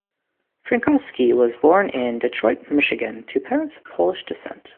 Frankowski was born in Detroit, Michigan to parents of Polish descent.